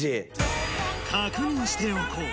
確認しておこう。